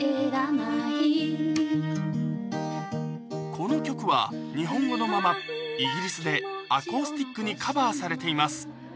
この曲は日本語のままイギリスでアコースティックにカバーされています